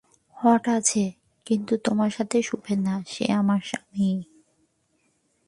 Hot আছে, কিন্তু তোমার সাথে শুবে না, সে আমার স্বামী।